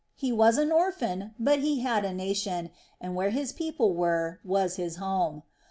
He was an orphan, but he had a nation, and where his people were was his home.